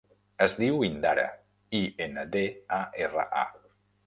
Es diu Indara: i, ena, de, a, erra, a.